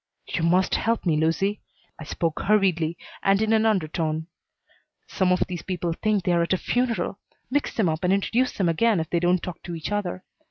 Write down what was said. "You must help me, Lucy." I spoke hurriedly and in an undertone. "Some of these people think they're at a funeral. Mix them up and introduce them again if they don't talk to each other.